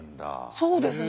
そうですね。